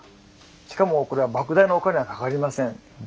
しかもこれはばく大なお金はかかりません。